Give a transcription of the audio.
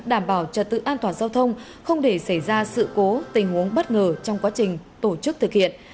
đảm bảo trật tự an toàn giao thông không để xảy ra sự cố tình huống bất ngờ trong quá trình tổ chức thực hiện